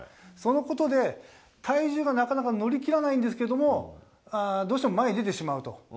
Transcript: そのことで体重がなかなか乗り切らないんですがどうしても前に出てしまうと。